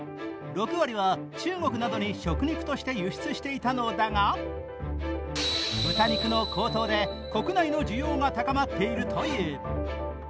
６割は中国などに食肉として輸出していたのだが豚肉の高騰で国内の需要が高まっているという。